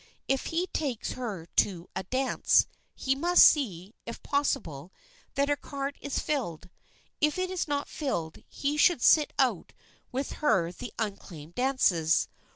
If he takes her to a dance, he must see, if possible, that her card is filled. If it is not filled, he should sit out with her the unclaimed dances.